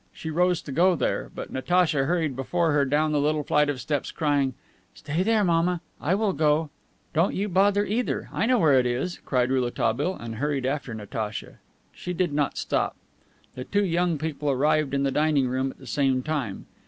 She rose to go there, but Natacha hurried before her down the little flight of steps, crying, "Stay there, mamma. I will go." "Don't you bother, either. I know where it is," cried Rouletabille, and hurried after Natacha. She did not stop. The two young people arrived in the dining room at the same time.